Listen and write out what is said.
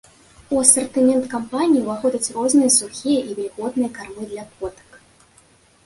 У асартымент кампаніі ўваходзяць розныя сухія і вільготныя кармы для котак.